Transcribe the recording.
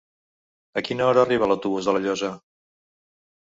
A quina hora arriba l'autobús de La Llosa?